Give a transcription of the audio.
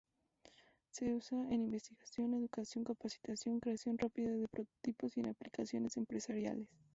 Se usa en investigación, educación, capacitación, creación rápida de prototipos y en aplicaciones empresariales.